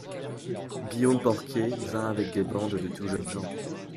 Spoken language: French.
Guillaume Porquier vint avec des bandes de tout jeunes gens.